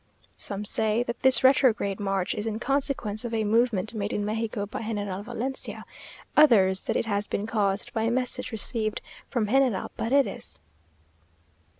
Some say that this retrograde march is in consequence of a movement made in Mexico by General Valencia others that it has been caused by a message received from General Paredes.